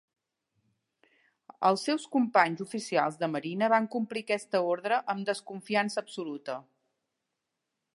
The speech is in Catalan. Els seus companys oficials de marina van complir aquesta ordre amb desconfiança absoluta.